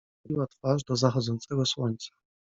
Wystawiła twarz do zachodzącego słońca.